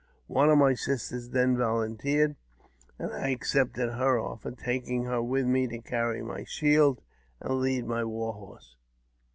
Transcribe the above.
One of my sisters then volunteers and I accepted her offer, taking her with me to carry my shield and lead my war horse.